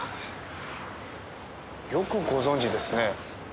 よくご存じですね。